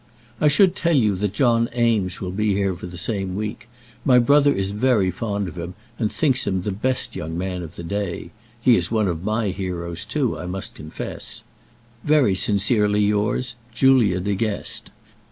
I should tell you that John Eames will be here for the same week. My brother is very fond of him, and thinks him the best young man of the day. He is one of my heroes, too, I must confess. Very sincerely yours, JULIA DE GUEST.